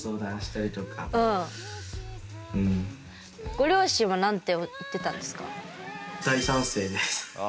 ご両親はなんて言ってたんですか？